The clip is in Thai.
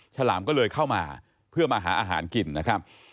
ฉลามก็เลยเข้ามาเพื่อมาหาอาหารกินนะครับ